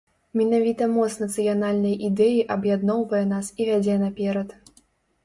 Менавіта моц нацыянальнай ідэі аб'ядноўвае нас і вядзе наперад.